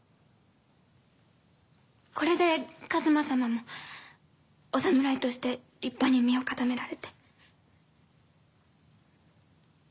これで一馬様もお侍として立派に身を固められて。